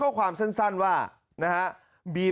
แถลงการแนะนำพระมหาเทวีเจ้าแห่งเมืองทิพย์